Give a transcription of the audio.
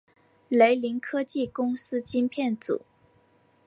雷凌科技公司晶片组。